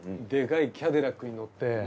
でかいキャデラックに乗って。